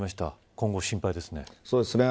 今後、心配ですね。